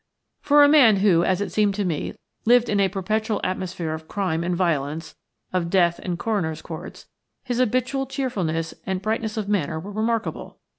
For a man who, as it seemed to me, lived in a perpetual atmosphere of crime and violence, of death and coroners' courts, his habitual cheerfulness and brightness of manner were remarkable.